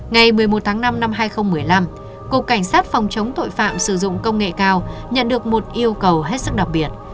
ngày một mươi một tháng năm năm hai nghìn một mươi năm cục cảnh sát phòng chống tội phạm sử dụng công nghệ cao nhận được một yêu cầu hết sức đặc biệt